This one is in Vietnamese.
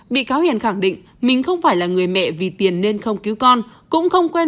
bị cáo hiền khẳng định mình không phải là người mẹ vì tiền nên không cứu con